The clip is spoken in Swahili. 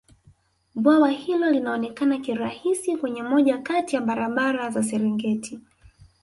bwawa hilo linaonekana kirahisi kwenye moja Kati ya barabara za serengeti